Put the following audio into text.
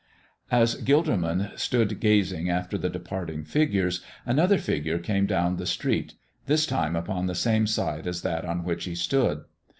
As Gilderman stood gazing after the departing figures another figure came down the street, this time upon the same side as that on which he stood.